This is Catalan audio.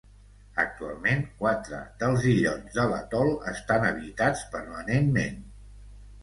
Actualment, quatre dels illots de l'atol estan habitats permanentment.